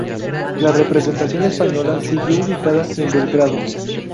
La representación española siguió ubicada en Belgrado.